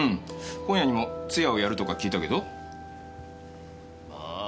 今夜にも通夜をやるとか聞いたけど。